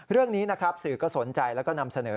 เรื่องนี้สื่อก็สนใจและนำเสนอ